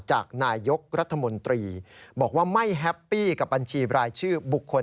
จากนายยกรัฐมนตรีบอกว่าไม่แฮปปี้กับบัญชีรายชื่อบุคคล